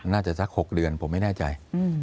น่าจะสักหกเดือนผมไม่แน่ใจ